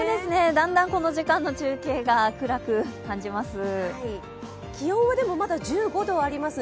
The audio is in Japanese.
だんだんこの時間の中継が暗く感じます。